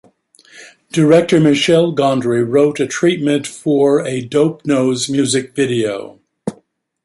Director Michel Gondry wrote a treatment for a "Dope Nose" music video.